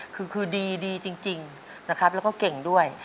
คือดีจริงนะครับแล้วก็เก่งด้วย